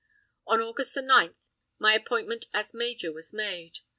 On August 9 my appointment as major was made.